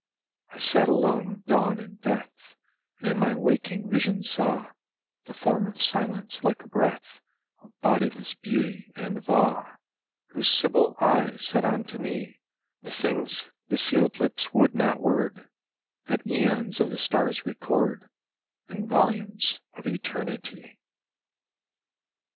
I sat alone with dawn and death, And in my waking vision saw The form of silence, like a breath Of bodiless beauty and of awe, Whose sibyl eyes said unto me The things the sealed lips would not word, That eons of the stars record In volumes of eternity.